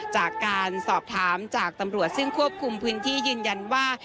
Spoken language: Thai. จากการสอบถามจากตำรวจซึ่งควบคุมพื้นที่ยืนยันว่า